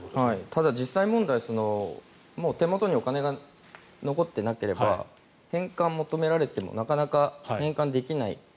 ただ、実際問題手元にお金が残ってなければ返還を求められてもなかなか返還できない。